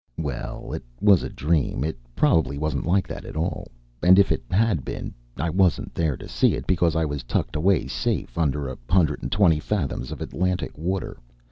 Well, it was a dream. It probably wasn't like that at all and if it had been, I wasn't there to see it, because I was tucked away safe under a hundred and twenty fathoms of Atlantic water.